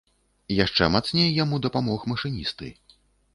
Яшчэ мацней яму дапамог машыністы.